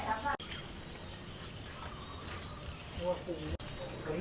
สวัสดีครับทุกคน